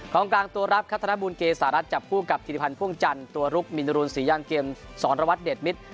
กลางกลางตัวรับคัตถนบูลเกสารัสจับคู่กับธิริพันธ์พ่วงจันทร์ตัวรุกมินรุนศรีย่างเกมสอนระวัดเด็ดมิตร